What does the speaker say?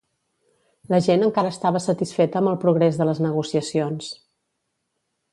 La gent encara estava satisfeta amb el progrés de les negociacions.